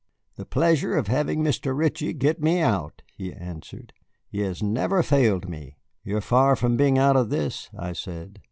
"The pleasure of having Mr. Ritchie get me out," he answered. "He has never failed me." "You are far from being out of this," I said.